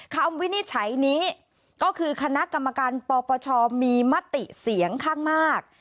วินิจฉัยนี้ก็คือคณะกรรมการปปชมีมติเสียงข้างมาก